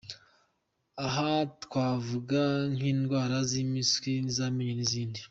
Aha twavuga nk’indwara z’impiswi, iz’amenyo n’izindi”.